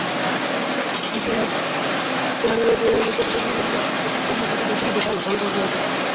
Etihad এয়ারওয়েজের প্রতিযোগী এমিরেটসে প্রথম শ্রেণীর যাত্রীদের জন্য বিশাল হলঘর রয়েছে।